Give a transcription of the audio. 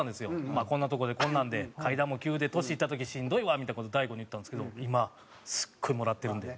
まあこんなとこでこんなんで階段も急で年いった時しんどいわみたいな事大悟に言ったんですけど今すっごいもらってるんで。